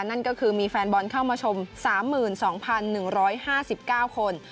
นั่นก็คือมีแฟนบอลเข้ามาชม๓๒๑๕๙คน